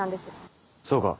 そうか。